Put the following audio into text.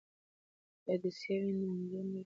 که عدسیه وي نو انځور نه تتېږي.